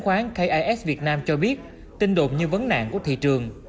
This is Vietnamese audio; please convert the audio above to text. khoán kis việt nam cho biết tinh đồn như vấn nạn của thị trường